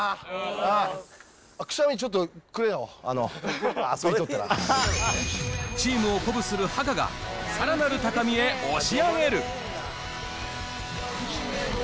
くしゃみちょっとくれよ、チームを鼓舞するハカが、さらなる高みへ押し上げる。